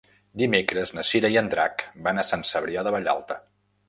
Dimecres na Cira i en Drac van a Sant Cebrià de Vallalta.